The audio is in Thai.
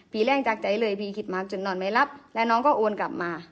แรกจากใจเลยพี่คิดมากจนนอนไม่รับแล้วน้องก็โอนกลับมา